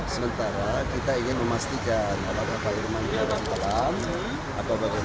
sementara kita ingin memastikan apakah irman di dalam talam